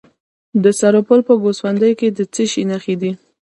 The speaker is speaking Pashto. د سرپل په ګوسفندي کې د څه شي نښې دي؟